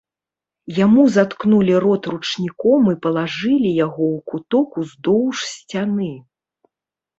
Яму заткнулі рот ручніком і палажылі яго ў куток ўздоўж сцяны.